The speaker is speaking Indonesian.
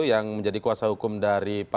yang menjadi kuasa hukum dari